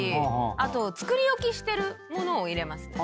あと作り置きしてる物を入れますね。